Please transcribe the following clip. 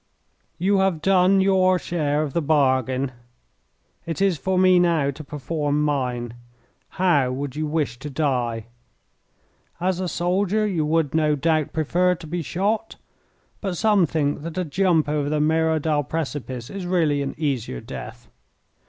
"You have done your share of the bargain; it is for me now to perform mine. How would you wish to die? As a soldier you would, no doubt, prefer to be shot, but some think that a jump over the Merodal precipice is really an easier death.